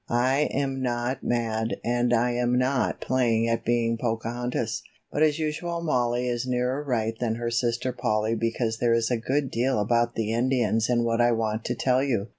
"I am not mad and I am not playing at being Pocahontas, but as usual Mollie is nearer right than her sister Polly because there is a good deal about the Indians in what I want to tell you."